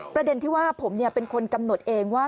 ประเด็นที่ว่าผมเป็นคนกำหนดเองว่า